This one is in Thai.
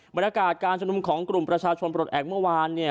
บรรยากาศการชุมนุมของกลุ่มประชาชนปลดแอบเมื่อวานเนี่ย